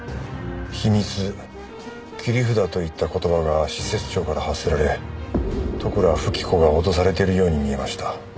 「秘密」「切り札」といった言葉が施設長から発せられ利倉富貴子が脅されているように見えました。